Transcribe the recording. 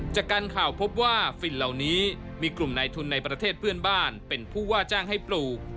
จากการข่าวพบว่าฝิ่นเหล่านี้มีกลุ่มในทุนในประเทศเพื่อนบ้านเป็นผู้ว่าจ้างให้ปลูก